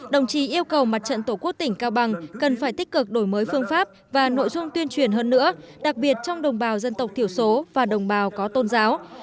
đồng chí yêu cầu mặt trận tổ quốc tỉnh cao bằng cần phải tích cực đổi mới phương pháp và nội dung tuyên truyền hơn nữa đặc biệt trong đồng bào dân tộc thiểu số và đồng bào có tôn giáo